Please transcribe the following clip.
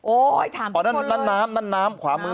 โอ๊ยถามทุกคนเลยนั่นน้ำนั่นน้ำขวามือสุด